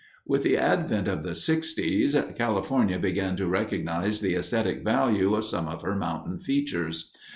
With the advent of the 'sixties California began to recognize the aesthetic value of some of her mountain features.